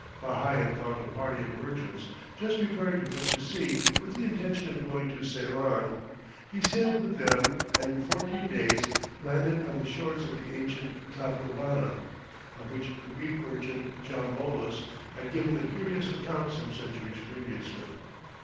Fa Hian found a party of merchants just preparing to put to sea with the intention of going to Ceylon; he sailed with them, and in fourteen days landed on the shores of the ancient Taprobana, of which the Greek merchant, Jamboulos, had given a curious account some centuries previously.